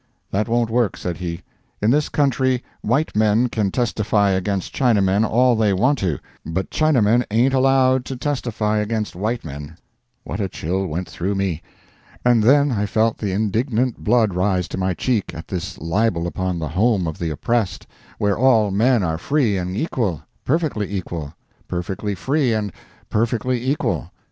"That won't work," said he. "In this country white men can testify against Chinamen all they want to, but Chinamen ain't allowed to testify against white men!' What a chill went through me! And then I felt the indignant blood rise to my cheek at this libel upon the Home of the Oppressed, where all men are free and equal—perfectly equal—perfectly free and perfectly equal.